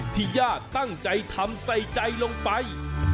ที่ยากตั้งใจทำใส่ใจลงไป